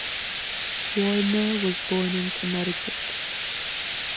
Warner was born in Connecticut.